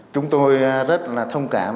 chúng tôi rất là thông cảm